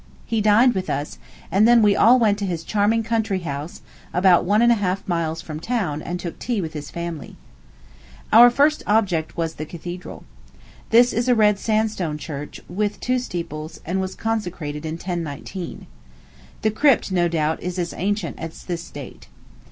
He dined with us; and then we all went to his charming country house, about one and a half miles from town, and took tea with his family. Our first object was the Cathedral. This is a red sandstone church, with two steeples, and was consecrated in 1019. The crypt, no doubt, is as ancient as this date.